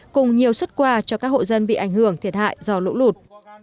cùng nhiều xuất quà cho các hộ dân bị ảnh hưởng thiệt hại do lũ lụt